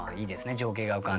情景が浮かんで。